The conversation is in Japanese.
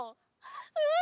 うん！